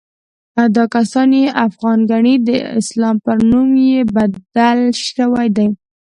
دا کسان چې افغان ګڼي، د اسلام پر نوم کې بدل شوي دي.